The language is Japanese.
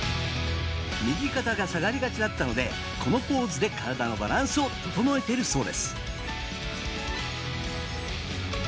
右肩が下がりがちだったのでこのポーズで体のバランスを整えているそうです。